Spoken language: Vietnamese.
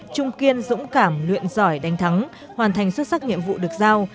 trung kiên dũng cảm luyện giỏi đánh thắng hoàn thành xuất sắc nhiệm vụ được giao